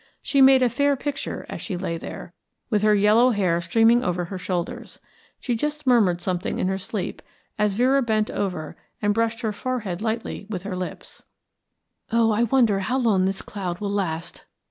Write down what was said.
She made a fair picture as she lay there, with her yellow hair streaming over her shoulders. She just murmured something in her sleep, as Vera bent over her and brushed her forehead lightly with her lips. "Oh, I wonder how long this cloud will last!"